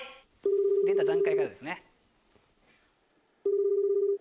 出た段階からですね。